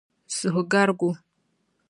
suhugarigu.